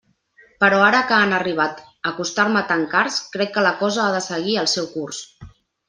Però ara que han arribat a costar-me tan cars, crec que la cosa ha de seguir el seu curs.